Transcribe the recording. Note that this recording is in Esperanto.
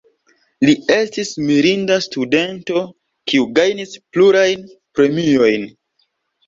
Li estis mirinda studento, kiu gajnis plurajn premiojn.